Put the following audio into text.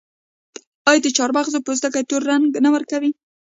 آیا د چارمغز پوستکي تور رنګ نه ورکوي؟